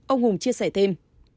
ông hùng chia sẻ thêm